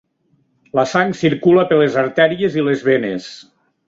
La sang circula per les artèries i les venes.